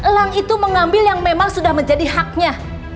elang itu mengambil yang memang sudah menjadi haknya